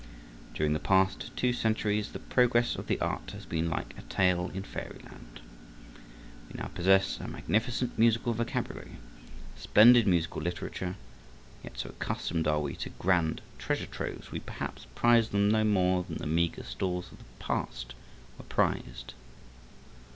During the past two centuries the progress of the art has been like a tale in fairyland. We now possess a magnificent musical vocabulary, a splendid musical literature, yet so accustomed are we to grand treasure troves we perhaps prize them no more than the meagre stores of the past were prized.